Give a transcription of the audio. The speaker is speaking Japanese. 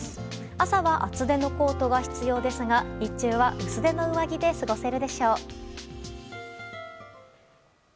朝は厚手のコートが必要ですが日中は薄手の上着で過ごせるでしょう。